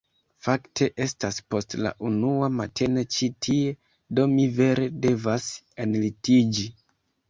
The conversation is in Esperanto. Fakte estas post la unua matene ĉi tie, do mi vere devas enlitiĝi.